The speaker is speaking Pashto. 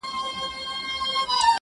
ته چي را سره یې له انار سره مي نه لګي!.